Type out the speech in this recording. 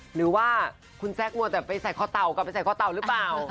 หรือว่าคุณแซคมัวแต่ไปใส่คอเต่ากลับไปใส่คอเต่าหรือเปล่า